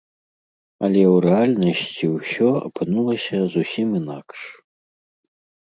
Але ў рэальнасці ўсё апынулася зусім інакш.